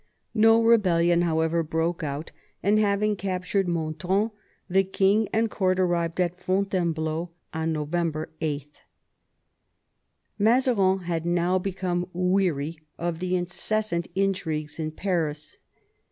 No rebellion, however, broke out, and having captured 86 MAZARIN ohap. Montrond, the king and court arrived at Fontainebleau on November 8. Mazarin had now become weary of the incessant intrigues in Paris.